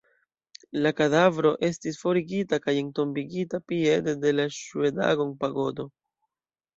La kadavro estis forigita kaj entombigita piede de la Ŝŭedagon-pagodo.